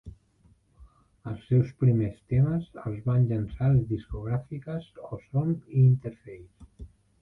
Els seus primers temes els van llançar les discogràfiques Ozone i Interface.